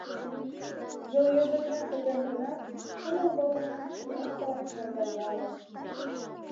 Йолйыжыҥем пытен гынат, кумыл волымем Тимошкалан шым палдаре.